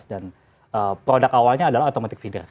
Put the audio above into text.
dan produk awalnya adalah automatic feeder